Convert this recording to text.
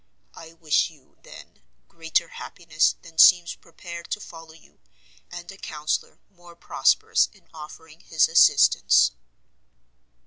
I wish you, then, greater happiness than seems prepared to follow you, and a counsellor more prosperous in offering his assistance."